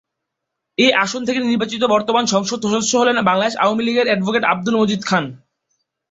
এ আসন থেকে নির্বাচিত বর্তমান সংসদ সদস্য হলেন বাংলাদেশ আওয়ামী লীগের এডভোকেট আব্দুল মজিদ খান।